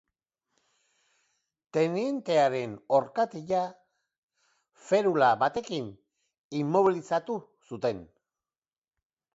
Tenientearen orkatila ferula batekin immobilizatu zuten.